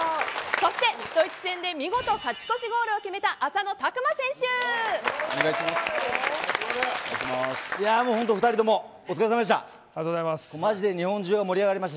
そして、ドイツ戦で見事勝ち越しゴールを決めたお願いします。